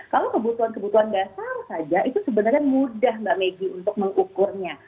kalau kebutuhan kebutuhan dasar saja itu sebenarnya mudah mbak megi untuk mengukurnya